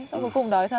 thôi cuối cùng đói thật